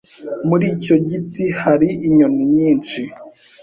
Muri icyo giti hari inyoni nyinshi.